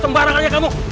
sembarang aja kamu